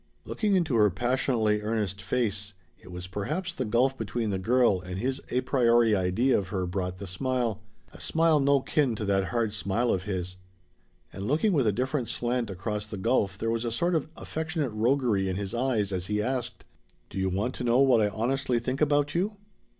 Looking into her passionately earnest face it was perhaps the gulf between the girl and his a priori idea of her brought the smile a smile no kin to that hard smile of his. And looking with a different slant across the gulf there was a sort of affectionate roguery in his eyes as he asked: "Do you want to know what I honestly think about you?"